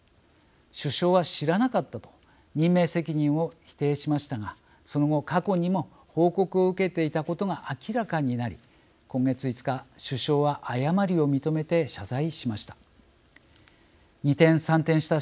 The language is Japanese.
首相は知らなかったと任命責任を否定しましたがその後過去にも報告を受けていたことが明らかになり今月５日、首相は誤りを認めて謝罪しました。